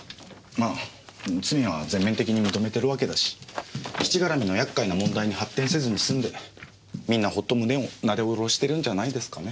まあ罪は全面的に認めてるわけだし基地がらみの厄介な問題に発展せずに済んでみんなホッと胸をなでおろしてるんじゃないですかね。